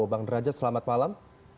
bang derajat selamat malam